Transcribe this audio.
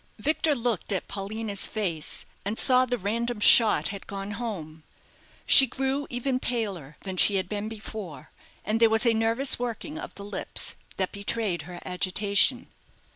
Victor looked at Paulina's face, and saw the random shot had gone home. She grew even paler than she had been before, and there was a nervous working of the lips that betrayed her agitation.